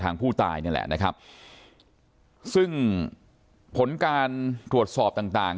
ผู้ตายนี่แหละนะครับซึ่งผลการตรวจสอบต่างต่าง